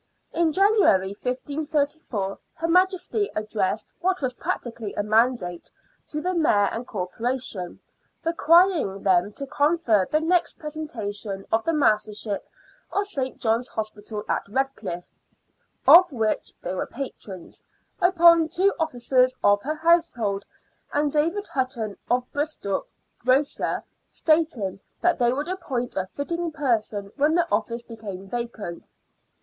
In January, 1534, Her Majesty addressed what was practically a mandate to the Mayor and Corporation, requiring them to confer the next presentation of the Mastership of St. John's Hospital at Redcliff, of which they were patrons, upon two officers of her household and David Hutton, of Bristol, grocer, stating that they would appoint a fitting person when the office became vacant.